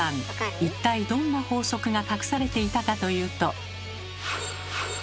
一体どんな法則が隠されていたかというと。